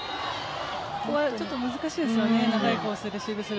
ここはちょっと難しいですよね。